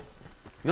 何？